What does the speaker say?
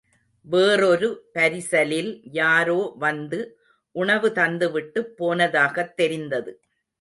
வேறொரு பரிசலில் யாரோ வந்து உணவு தந்துவிட்டுப் போனதாகத் தெரிந்தது.